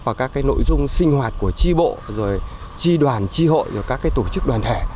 và các cái nội dung sinh hoạt của chi bộ rồi chi đoàn chi hội và các cái tổ chức đoàn thể